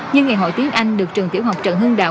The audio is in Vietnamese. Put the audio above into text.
như ngày hội tiếng anh được trường tiểu học trần hương đạo